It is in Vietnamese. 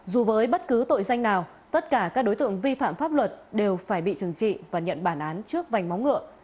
dù với bất cứ tội danh nào tất cả các đối tượng vi phạm pháp luật đều phải bị trừng trị và nhận bản án trước vành móng ngựa